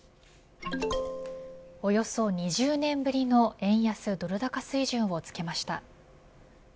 およそ２０年ぶりの円安ドル高水準をつけました。